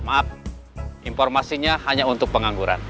maaf informasinya hanya untuk pengangguran